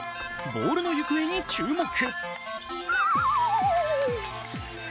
ボールの行方に注目。